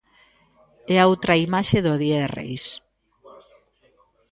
E a outra imaxe do día de Reis.